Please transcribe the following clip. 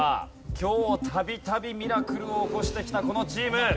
今日度々ミラクルを起こしてきたこのチーム。